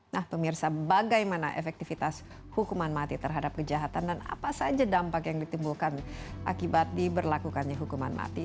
nah pemirsa bagaimana efektivitas hukuman mati terhadap kejahatan dan apa saja dampak yang ditimbulkan akibat diberlakukannya hukuman mati